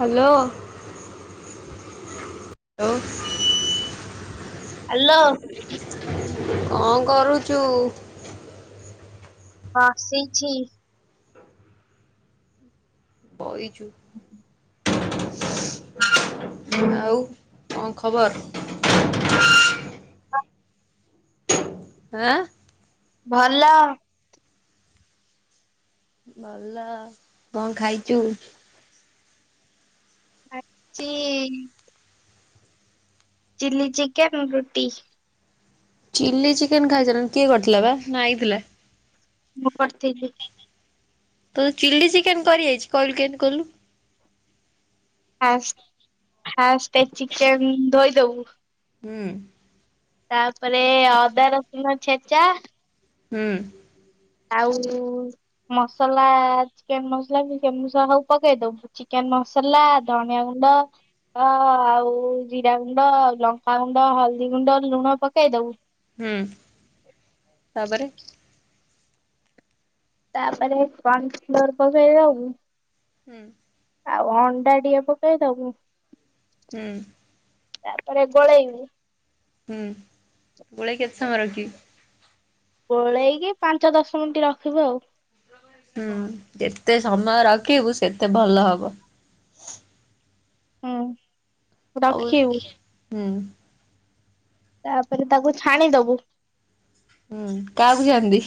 Hello hello. Hello. କଣ କରୁଛୁ? ବସିଛି। ବହି। ଚ [unintelligible] ଆଉ କଣ ଖବର? ଆଁ। ଭଲ। ଭଲ କଣ ଖାଇଛୁ? ଆଜି ଚିଲ୍ଲି ଚିକେନ୍ ରୁଟି ଚିଲ୍ଲି ଚିକେନ୍ ଖାଇସାରିଲୁଣି କିଏ କରିଥିଲା ବେ ସେ ନା ଆଇଥିଲା? ମୁଁ କରିଥିଲି। ତୋ ଚିଲ୍ଲି ଚିକେନ କରି ଆଇଛି କହିଲୁ କେମିତି କଲୁ? Fast fast. ଚିକେନ ଧୋଇ ଯୋଉ ହୁଁ। ତାପରେ ଅଦା ରସୁଣ ଛେଚା ହୁଁ। ଆଉ ମସଲା ଚିକେନ୍ ମସଲା ବି ସେମି ହବ ପକେଇ ଦବୁ ଚିକେନ ମସଲା ଧନିଆ ଗୁଣ୍ଡ ଆଉ ଜିରା ଗୁଣ୍ଡ ଆଉ ଲଙ୍କାଗୁଣ୍ଡ ହଳଦୀ ଗୁଣ୍ଡ ଲୁଣ ପକେଇଦବୁ ହୁଁ ତାପରେ? ତାପରେ କନଫ୍ଲୋର ପକେଇ ଦବୁ। ହୁଁ ଆଉ ଅଣ୍ଡା ଟିକେ ପକେଇଦବୁ ହୁଁ। ତାପରେ ଗୋଳେଇବୁ। ହୁଁ ଗୋଳେଇ କେତେ ସମୟ ରଖିବି? ଗୋଳେଇକି ପାଞ୍ଚ ଦଶ ମିନିଟ୍ ରଖିବୁ ଆଉ। ହୁଁ ଯେତେ ସମୟ ରଖିବୁ ସେତେ ଭଲ ହବ। ହୁଁ। ଆଉ ରଖିବୁ ହୁଁ। ତାପରେ ତାକୁ ଛାଣିଦବୁ ହୁଁ କାହାକୁ ଛାଣିବି?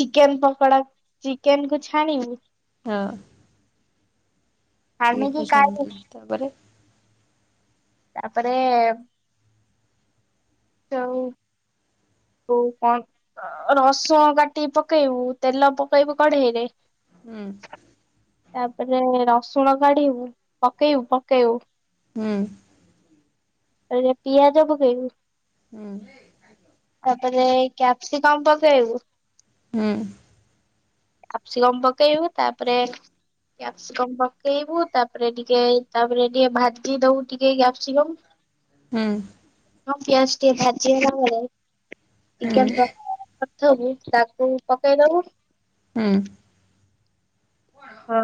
ଚିକେନ୍ ପକୋଡା ଚିକେନ୍ କୁ ଛାଣିବୁ ହଁ। ଛାଣିକି କାଢି [unintelligible] ତାପରେ? ତାପରେ ଆଉ ଆ କଣ ରସୁଣ କାଟି ପକେଇବୁ ତେଲ ପକେଇବୁ କଢେଇରେ ହୁଁ। ତାପରେ ରସୁଣ କାଢିବୁ ପକେଇବୁ ପକେଇବୁ ହୁଁ। ଏବେ ପିଆଜ ପକେଇବୁ ହୁଁ। ତାପରେ କ୍ୟାପ୍ସିକମ ପକେଇବୁ। ହୁଁ। କ୍ୟାପସିକମ ପକେଇବୁ ତାପରେ କ୍ୟାପସିକମ ପକେଇବୁ ତାପରେ ଟିକେ ତାପରେ ଟିକେ ଭାଜି ଦବୁ ଟିକେ କ୍ୟାପସିକମ ହୁଁ। ହଁ ପିଆଜ ଟିକେ ଭାଜି ହେଲେ [unintelligible] ଚିକେ ତାପରେ [unintelligible] ଥବ ତାକୁୁ ପକାଇ ଦବୁ ହୁଁ। ହଁ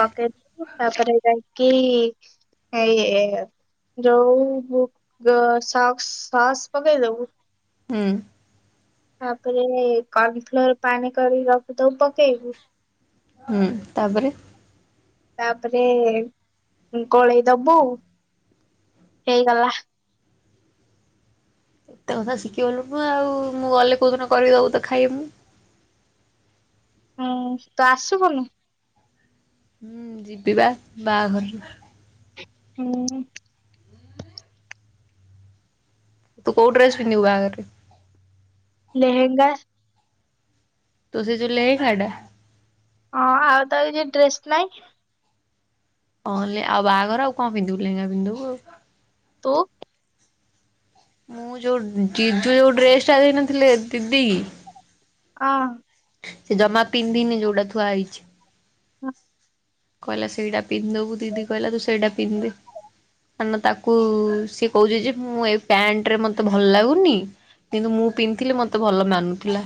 ପକେଇଦବୁ ତାପରେ ଯାଇକି କି ଏଇ ଯଉ ସକ୍ସ୍ ସସ ପକେଇଦବୁ ହୁଁ। ତାପରେ କନ ଫ୍ଲୋର ପାଣି କରି ରଖିଥିବୁ ପକେଇବୁ। ହଁ ତାପରେ। ତାପରେ ଗୋଳେଇ ଦବୁ ହେଇଗଲା। ଏତେ କଥା ଶିଖିଗଲୁନୁ ଆଉ ମୁଁ ଗଲେ କୋଉ ଦିନ କରିକି ଦବୁ ତ ଖାଇବି ମୁଁ। ହୁଁ ତୁ ଆସିବୁନୁ। ହୁଁ ଯିବିବା ବାହାଘରରେ ହୁଁ। ତୁ କୋଉ ଡ୍ରେସ ପିନ୍ଧିବୁ ବାହାଘରରେ। ଲେହେଙ୍ଗା। ତୁ ସେଇ ଯୋଉ ଲେହେଙ୍ଗା ଟା। ହଁ ଆଉ ତାର କିଛି ଡ୍ରେସ୍ ନାଇଁ ହଁ ଲେ ଆଉ ବାହାଘର ଆଉ କଣ ପିନ୍ଧିବୁ ଲେହେଙ୍ଗା ପିନ୍ଧି ଦବୁ ଆଉ। ତୁ ମୁଁ ଯୋଉ ଜିଜୁ ଯୋଉ ଡ୍ରେସ ଟା ଦେଇନଥିଲଥିଲେ ଦିଦି ହଁ। ସେ ଜମା ପିନ୍ଧିନି ଯୋଉଡା ଥୁଆ ହେଇଛି। ହୁଁ। କହିଲା ସେଇଟା ପିନ୍ଧବୁ ଦିଦି କହିଲା ତୁ ସେଇଟା ପିନ୍ଧେ କାର ତାକୁ ସିଏ କହୁଛିେ ଯେ ମୁଁ ଏଇ ପ୍ୟାଣ୍ଟ ରେ ମତେ ଭଲ ଲାଗୁନି କିନ୍ତୁ ମୁଁ ପିନ୍ଧଥିଲି ମତେ ଭଲ ମାନୁଥିଲା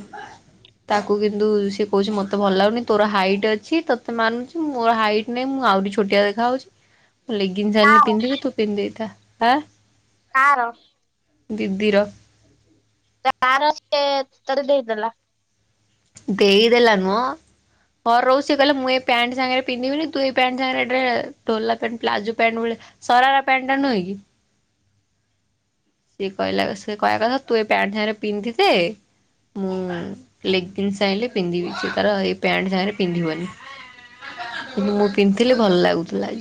ତାକୁ କିନ୍ତୁ ସେ କହୁଛି ମତେ ଭଲ ଲାଗୁନି ତୋର ହାଇଟ ଅଛି ତୋତେ ମାନୁଛି ମୋର ହାଇଟ ନାଇଁ ମୁଁ ଆହୁରି ଛୋଟିଆ ଦେଖା ହଉଛି ଲେଗିନ୍ସି ଆଣିଲେ କାର ପିନ୍ଧିବି ତୁ ପିନ୍ଧିଦେ। କା ହଁ କାର? ଦିଦିର। ତାର ସିଏ ତତେ ଦେଇଦେଲା। ଦେଇଦେଲା ନୁହଁ ଘ ରହୁ ସିଏ କହିଲେ ମୁଁ ଏ ପ୍ୟାଣ୍ଟ ସାଙ୍ଗରେ ପିନ୍ଧିବିନି ତୁ ଏଇ ପଣ୍ଟ ସାଙ୍ଗରେ ଢୋଲା ପ୍ୟାଣ୍ଟ ପ୍ଲାଜୋ ପ୍ୟାଣ୍ଟ ଭଳିଆ ସରାରାପ୍ୟାଣ୍ଟ ଟା ନୁହେଁ କି? ସେ କହିଲା ସିଏ କହିବା କଥା ତୁ ଏ ପ୍ୟାଣ୍ଟ ସାଙ୍ଗରେ ପିନ୍ଧିଦେ ମୁଁ ଲେଗେନ୍ସି ଆଣିଲେ ପିନ୍ଧିବି। ସେ ତାର ଏଇ ପ୍ୟାଣ୍ଟ ସାଙ୍ଗରେ ପିନ୍ଧିବନି କିନ୍ତୁ ମୁଁ ପିନ୍ଧିଲେ ଭଲ ଲାଗୁଥିଲା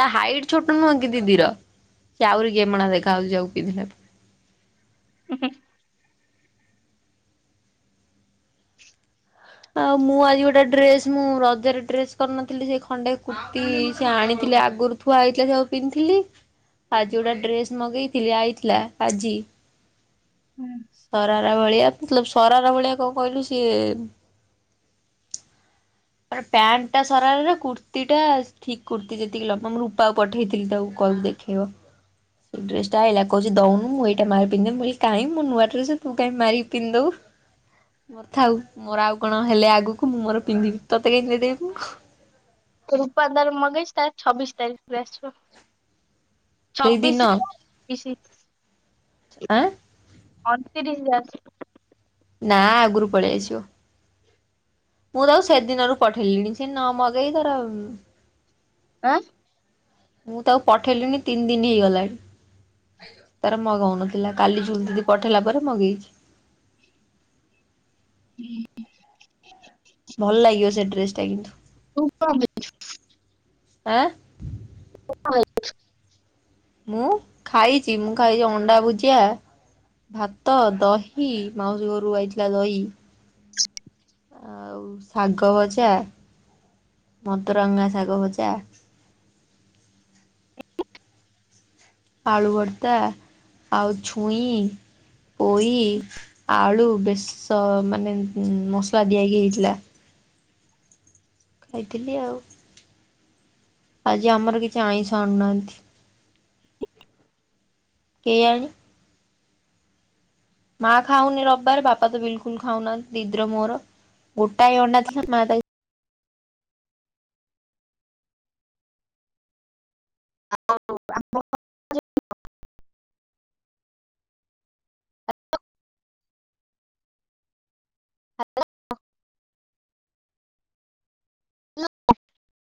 ତା ହାଇଟ ଛୋଟ ନୁହଁ କି ଦିଦିର କି ଆହୁରି ଗେମେଣା ଦେଖାହାଉଛି ଆଉ ପିନ୍ଧିଲା ହୁ ହୁ ହୁ। [inaudible] ଆଉ ମୁଁ ଆଜି ଗୋଟେ ଡ୍ରେସ ମୁଁ ରଜରେ ଡ୍ରେସ କରିନଥିଲି ଯେ ଖଣ୍ଡେ କୁର୍ତ୍ତି ସେ ଆଣିଥିଲି ଆଗରୁ ଥୁଆ ହେଇଥିଲା ସେଉ ପିନ୍ଧଥିଲି ଆଜି ଗୋଟେ ଡ୍ରେସ ମଗେଇଥିଲି ଆଇଥିଲା ଆଜି ସରାର ଭଳିଆ ମଲ ସରାର ଭଳିଆ କଣ କହିଲୁ ସିଏ ମ ପ୍ୟାଣ୍ଟ ଟା ସରାରରେ କୁର୍ତ୍ତିଟା ଠିକ କୁର୍ତ୍ତି ଯେତିକି ଲମା ମୁ ରୂପାକୁ ପଠେଇଥିଲି ତାକୁ କହିଲେ ଦେଖେଇବ। ସେ ଡ୍ରେସ ଟା ଆଇଲା କହୁଚି ଦଉନୁ ମୁଁ ଏଇଟା ମାରି ପିନ୍ଧି ମୁଁ କହିଲି କାହିଁ ମୋ ନୂଆ ଡ୍ରେସ ତୁ କାହିଁ ମାରିକି ପିନ୍ଧି ଦବୁ ଥାଉ ମୋର ଆଉ କଣ ହେଲେ ଆଗକୁ ମୁଁ ମୋର ପିନ୍ଧିବି। ତତେ କାଇଁ ଦେଇଦେବି? ରୂପା ତାର ମଗେଇଛି ତାର ଛବିଷ ତାରିଖରେ ଆସିବ। ସେଇଦିନ ଛବିଶି ବା ଛବିଶୀ ଆଁ? ଅଣତିରିଶ ଆସିବ। ନା ଆଗରୁ ପଳେଇ ଆସିବ। ମୁଁ ତ ଆଉ ସେଦିନରୁ ପଠେଇଲିଣି ସେ ନ ମଗେଇ ତାର ଆଁ ମୁଁ ତାକୁ ପଠେଇଲିଣିି ତିନି ଦିନ ହେଇଗଲାଣି ତାର ମଗଉନଥିଲା କାଲି ଝୁଲ ଦିଦି ପଠେଇଲା ପରେ ମଗେଇଛି। ହୁଁ। ଭଲ ଲାଗିବ ସେ ଡ୍ରେସ୍ ଟା କିନ୍ତୁ ତୁ କଣ କରୁଛୁ? ଆ [inaudible] ମୁଁ ଖାଇଚି ମୁଁ ଖାଇଚି ଅଣ୍ଡା ଭୁଜିଆ ଭାତ ଦହି ମାଉସୀ ଘରୁ ଆଇଥିଲା ଦହି। ଆଉ ଶାଗ ଭଜା ମତରଙ୍ଗା ଶାଗ ଭଜା ଆଳୁ ଭର୍ତ୍ତା ଆଉ ଛୁଇଁ ପୋଇ ଆଳୁ ବେଶ ମାନେ ମସଲା ଦିଆହେଇକି ହେଇଥିଲା। ଖାଇଥିଲି ଆଉ ଆଜି ଆମର କିଛି ଆଇଁଷ ଆଣୁନାହାନ୍ତି। କେୟାଣି ମା ଖାଉନି ରବିବାର ବାପା ତ ବିଲକୁଲ ଖାଉନାହାନ୍ତି ଦିଦିର ମୋର ଗୋଟାଏ ଅଣ୍ଡା ଥିଲା ମା ତାକୁ ଆଉ [inaudible] ହାଲୋ [unintelligible]